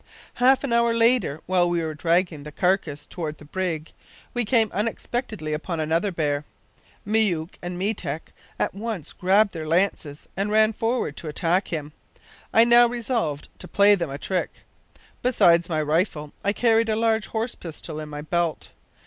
"Half an hour later, while we were dragging the carcass toward the brig, we came unexpectedly upon another bear. Myouk and Meetek at once grasped their lances and ran forward to attack him. I now resolved to play them a trick. Besides my rifle I carried a large horse pistol in my belt.